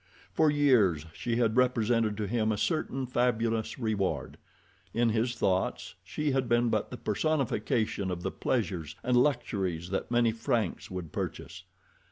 For years she had represented to him a certain fabulous reward. In his thoughts she had been but the personification of the pleasures and luxuries that many francs would purchase.